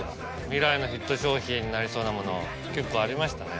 未来のヒット商品になりそうなもの結構ありましたね。